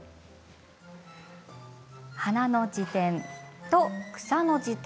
「花の辞典」と「草の辞典」。